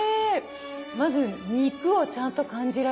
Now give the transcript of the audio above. まず肉をちゃんと感じられる。